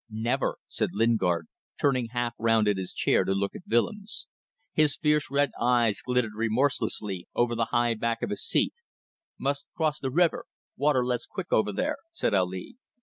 "Never!" said Lingard, turning half round in his chair to look at Willems. His fierce red eyes glittered remorselessly over the high back of his seat. "Must cross the river. Water less quick over there," said Ali.